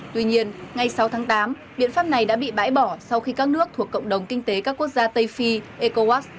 tuy nhiên ngay sáu tháng tám biện pháp này đã bị bãi bỏ sau khi các nước thuộc cộng đồng kinh tế các quốc gia tây phi ecowas